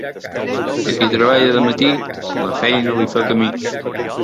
A qui treballa de matí, la feina li fa camí.